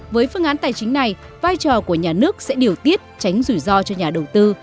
với phương án tài chính này vai trò của nhà nước sẽ điều tiết tránh rủi ro cho nhà đầu tư